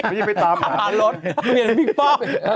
ไม่ใช่ไปตามหารถะเบียนบิ๊กป้อม